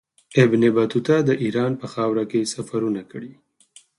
ابن بطوطه د ایران په خاوره کې سفرونه کړي.